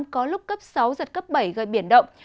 có lúc cấp sáu giật cấp bảy gây biển động